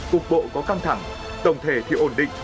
cục bộ có căng thẳng tổng thể thì ổn định